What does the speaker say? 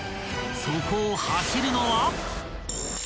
［そこを走るのは］